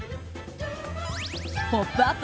「ポップＵＰ！」